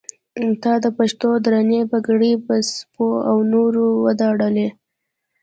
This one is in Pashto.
تا د پښتنو درنې پګړۍ په سپو او نورو وداړلې.